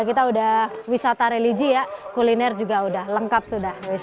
kita udah wisata religi ya kuliner juga udah lengkap sudah